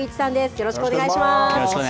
よろしくお願いします。